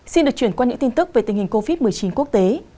xin được chuyển qua những tin tức về tình hình covid một mươi chín quốc tế